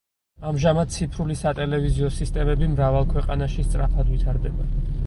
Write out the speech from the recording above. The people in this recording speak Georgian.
ამჟამად ციფრული სატელევიზიო სისტემები მრავალ ქვეყანაში სწრაფად ვითარდება.